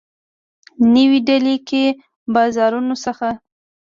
نوي ډیلي کي د بازارونو څخه